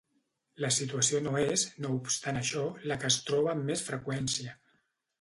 La situació no és, no obstant això, la que es troba amb més freqüència.